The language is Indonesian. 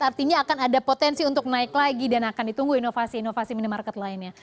artinya akan ada potensi untuk naik lagi dan akan ditunggu inovasi inovasi minimarket lainnya